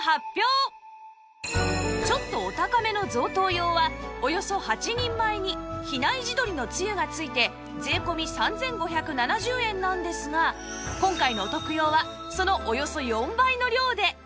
ちょっとお高めの贈答用はおよそ８人前に比内地鶏のつゆが付いて税込３５７０円なんですが今回のお徳用はそのおよそ４倍の量で